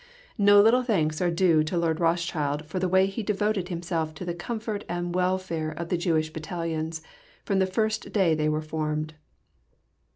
No little thanks are due to Lord Rothschild for the way he devoted himself to the comfort and welfare of the Jewish Battalions, from the first day they were formed.